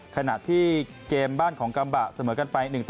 ขณะที่เกมบ้านของกำบัดเสมอกันไป๑๑